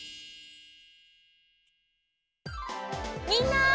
みんな！